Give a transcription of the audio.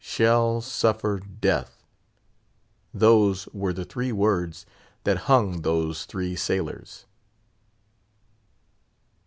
"Shall suffer death!" those were the three words that hung those three sailors.